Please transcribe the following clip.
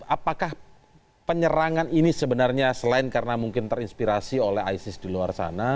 apakah penyerangan ini sebenarnya selain karena mungkin terinspirasi oleh isis di luar sana